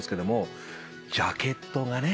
ジャケットがね